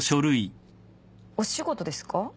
お仕事ですか？